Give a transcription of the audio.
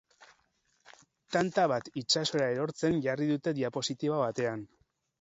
Tanta bat itsasora erortzen jarri dute diapositiba batean.